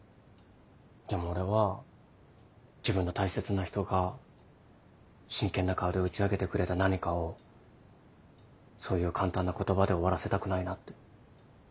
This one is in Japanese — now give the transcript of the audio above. でも俺は自分の大切な人が真剣な顔で打ち明けてくれた何かをそういう簡単な言葉で終わらせたくないなって。